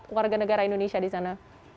dua puluh empat warga negara indonesia di sana